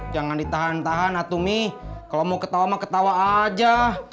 jangan ditahan tahan atumi kalau mau ketawa mah ketawa aja